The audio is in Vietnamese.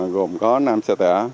gồm có năm xe tả